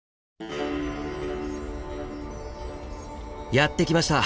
やって来ました！